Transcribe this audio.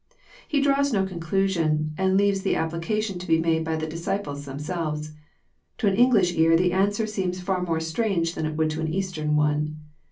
He draws no conclusion, and leaves the applica tion to be made by the disciples themselves. To an English ear the answer seems far more strange than it would to an Eastern one.